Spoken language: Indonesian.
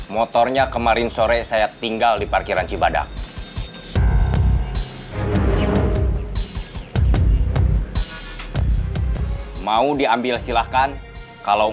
motornya silahkan parkir di sini aja